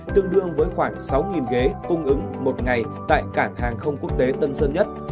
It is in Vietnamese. tương đương với khoảng sáu ghế cung ứng một ngày tại cảng hàng không quốc tế tân sơn nhất